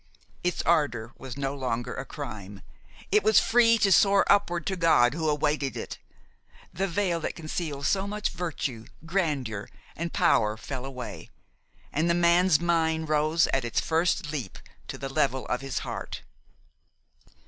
Its ardor was no longer a crime, it was free to soar upward to God who awaited it; the veil that concealed so much virtue, grandeur and power fell away, and the man's mind rose at its first leap to the level of his heart.